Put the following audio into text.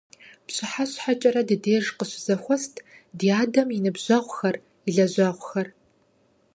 ПщыхьэщхьэкӀэрэ ди деж къыщызэхуэст ди адэм и ныбжьэгъухэр, и лэжьэгъухэр.